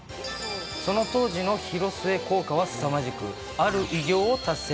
その当時のヒロスエ効果はすさまじく、ある偉業を達成。